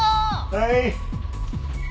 はい？